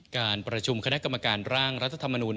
การประชุมคณะกรรมการร่างรัฐธรรมนุน